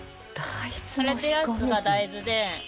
枯れたやつが大豆で。